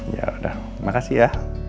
yaudah makasih ya